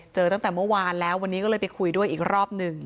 ตั้งแต่เมื่อวานแล้ววันนี้ก็เลยไปคุยด้วยอีกรอบหนึ่ง